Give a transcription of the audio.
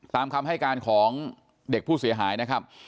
ตามคำให้การของเด็กผู้เสียหายนะครับ